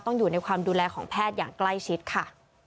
อยู่ในความดูแลของแพทย์อย่างใกล้ชิดค่ะ